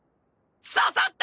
刺さった！